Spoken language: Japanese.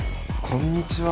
こんにちは。